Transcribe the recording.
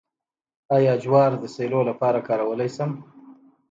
آیا جوار د سیلو لپاره کارولی شم؟